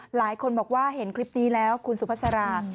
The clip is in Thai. หลายคนบอกว่าเห็นคลิปนี้แล้วคุณสุภาษารา